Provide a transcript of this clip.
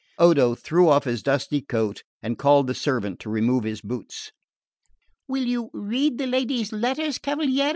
Odo threw off his dusty coat and called the servant to remove his boots. "Will you read the lady's letters, cavaliere?"